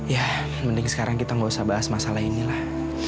ya mending sekarang kita nggak usah bahas masalah ini lah